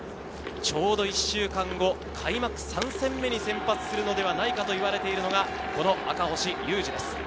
ちょうど１週間後、開幕３戦目に先発するのではないかと言われているのがこの赤星優志です。